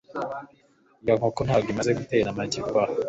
Iyo nkoko ntabwo imaze gutera amagi vuba aha.